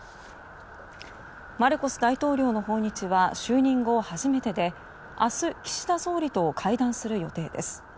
マルコス大統領の訪日は就任後、初めてで明日、岸田総理と会談する予定です。